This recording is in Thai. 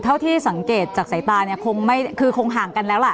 เท่าที่สังเกตจากสายตาคงห่างกันแล้วล่ะ